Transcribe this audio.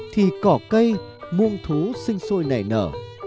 thì cỏ cây muông thú sinh sôi nảy nở